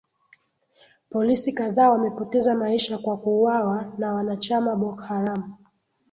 polisi kadhaa wamepoteza maisha kwa kuuwawa na wanachama bokharam